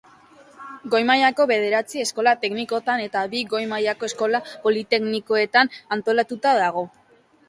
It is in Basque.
Goi mailako bederatzi eskola teknikotan eta bi goi mailako eskola politeknikoetan antolatuta dago.